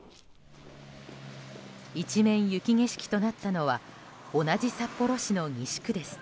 一面、雪景色となったのは同じ札幌市の西区です。